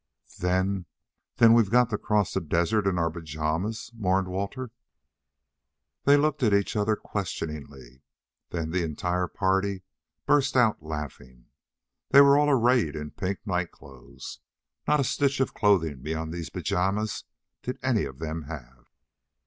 "Then then we've got to cross the desert in our pajamas," mourned Walter. They looked at each other questioningly; then the entire party burst out laughing. They were all arrayed in pink night clothes. Not a stitch of clothing beyond these pajamas did any of them have.